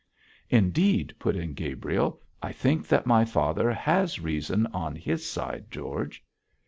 'Indeed,' put in Gabriel, 'I think that my father has reason on his side, George.'